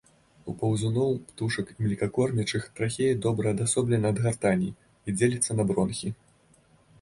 У паўзуноў, птушак і млекакормячых трахея добра адасоблена ад гартані і дзеліцца на бронхі.